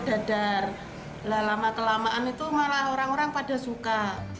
dadar lah lama kelamaan itu malah orang orang pada suka